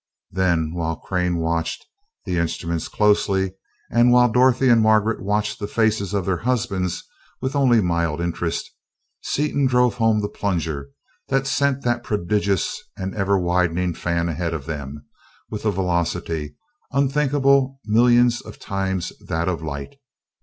Then, while Crane watched the instruments closely and while Dorothy and Margaret watched the faces of their husbands with only mild interest, Seaton drove home the plunger that sent that prodigious and ever widening fan ahead of them with a velocity unthinkable millions of times that of light.